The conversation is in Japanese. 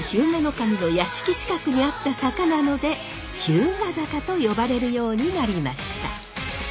守の屋敷近くにあった坂なので日向坂と呼ばれるようになりました。